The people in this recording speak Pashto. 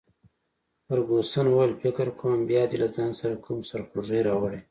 فرګوسن وویل: فکر کوم بیا دي له ځان سره کوم سرخوږی راوړی.